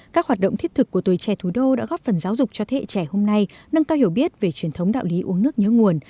các hoạt động thiết thực của tuổi trẻ thủ đô đã góp phần giáo dục cho thế hệ trẻ hôm nay nâng cao hiểu biết về truyền thống đạo lý uống nước nhớ nguồn